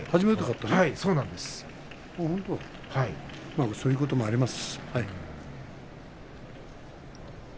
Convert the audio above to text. まあ、そういうこともあります。